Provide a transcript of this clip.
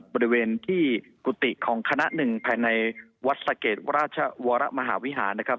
บริเวณที่กุฏิของคณะหนึ่งภายในวัดสะเกดราชวรมหาวิหารนะครับ